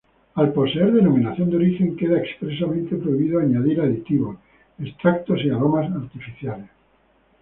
Al poseer denominación de origen, queda expresamente prohibido añadir aditivos, extractos y aromas artificiales.